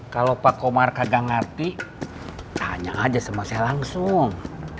kalau pak komar kagak ngerti tanya aja sama saya langsung